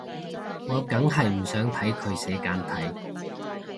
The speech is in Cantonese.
我梗係唔想睇佢寫簡體